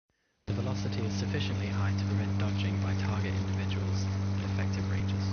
The velocity is sufficiently high to prevent dodging by target individuals at effective ranges.